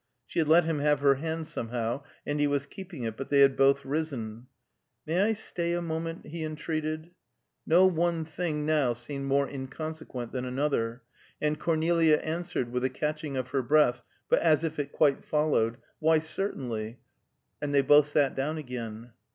She had let him have her hand somehow, and he was keeping it; but they had both risen. "May I stay a moment?" he entreated. No one thing now seemed more inconsequent than another, and Cornelia answered, with a catching of her breath, but as if it quite followed, "Why, certainly," and they both sat down again.